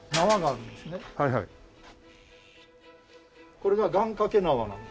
これが願かけ縄なんです。